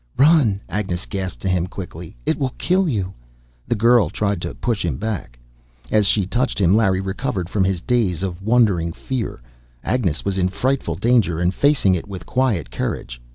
"Run!" Agnes gasped to him, quickly. "It will kill you!" The girl tried to push him back. As she touched him, Larry recovered from his daze of wondering fear. Agnes was in frightful danger, and facing it with quiet courage.